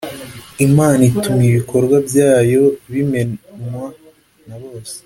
Imana ituma ibikorwa byayo bimenkwa nabose